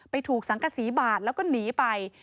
ถูกสังกษีบาดแล้วก็หนีไป